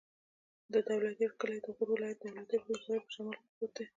د دولتيار کلی د غور ولایت، دولتيار ولسوالي په شمال کې پروت دی.